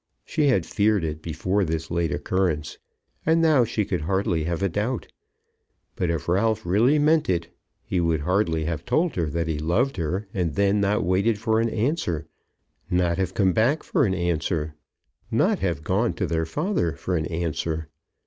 She had feared it before this late occurrence, and now she could hardly have a doubt. But if Ralph really meant it he would hardly have told her that he loved her, and then not waited for an answer, not have come back for an answer, not have gone to their father for an answer.